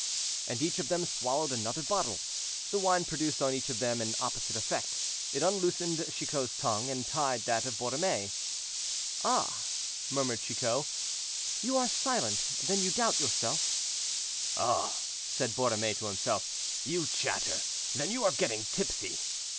And each of them swallowed another bottle. The wine produced on each of them an opposite effect—it unloosened Chicot's tongue, and tied that of Borromée. "Ah!" murmured Chicot, "you are silent; then you doubt yourself." "Ah!" said Borromée to himself, "you chatter; then you are getting tipsy."